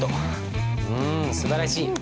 うんすばらしい。